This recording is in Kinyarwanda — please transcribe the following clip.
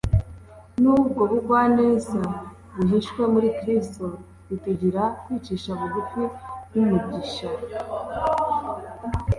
n'ubwo bugwaneza buhishwe muri Kristo. bitugira kwicisha bugufi nk'uk'Umwigisha,